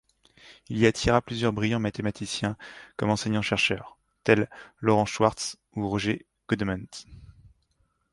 Il y attirera plusieurs brillants mathématiciens comme enseignants-chercheurs, tels Laurent Schwartz ou Roger Godement.